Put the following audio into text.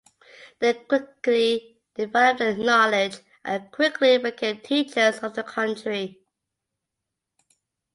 They quickly developed their knowledge and quickly became teachers of the country.